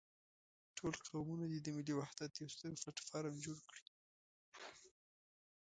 ټول قومونه دې د ملي وحدت يو ستر پلاټ فورم جوړ کړي.